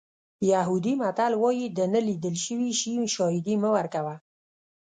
یهودي متل وایي د نه لیدل شوي شي شاهدي مه ورکوه.